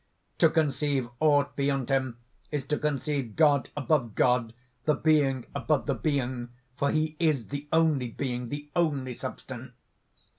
"To conceive aught beyond him is to conceive God above God, the Being above the Being. For He is the only being, the only substance.